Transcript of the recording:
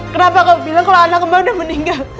kenapa kamu bilang kalau anak mbak udah meninggal